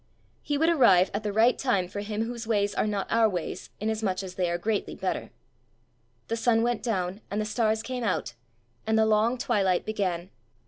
He would arrive at the right time for him whose ways are not as our ways inasmuch as they are greatly better! The sun went down and the stars came out, and the long twilight began.